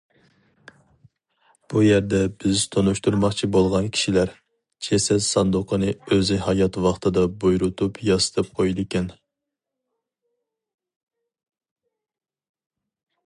بۇ يەردە بىز تونۇشتۇرماقچى بولغان كىشىلەر جەسەت ساندۇقىنى ئۆزى ھايات ۋاقتىدا بۇيرۇتۇپ ياسىتىپ قويىدىكەن.